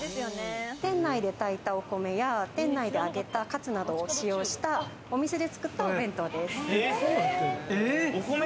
店内で炊いたお米や、店内で揚げたカツなどを使用した、お店で作ったお弁当です。